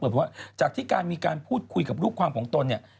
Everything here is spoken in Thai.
ว่าจากที่การมีการพูดคุยกับลูกความของตนเนี่ย